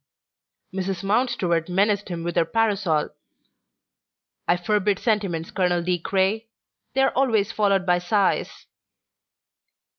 Mrs. Mountstuart menaced him with her parasol. "I forbid sentiments, Colonel De Craye. They are always followed by sighs."